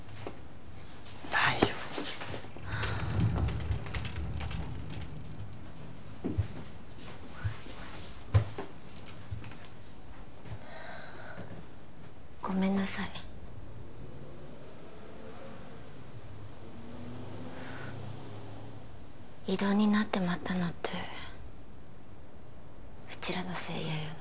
大丈夫はあごめんなさい異動になってまったのってうちらのせいやよな？